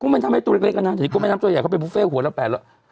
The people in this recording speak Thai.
มันทำให้ตัวเล็กอะนะเดี๋ยวก็แม่น้ำตัวใหญ่เขาเป็นบุฟเฟ่หัวละแปดแล้ว